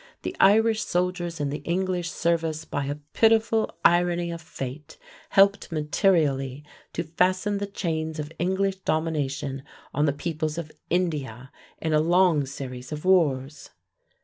The Irish soldiers in the English service by a pitiful irony of fate helped materially to fasten the chains of English domination on the peoples of India in a long series of wars.